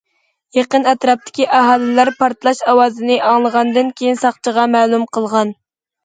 يېقىن ئەتراپتىكى ئاھالىلەر پارتلاش ئاۋازىنى ئاڭلىغاندىن كېيىن ساقچىغا مەلۇم قىلغان.